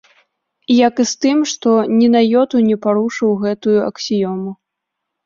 Як і з тым, што ні на ёту не парушыў гэтую аксіёму.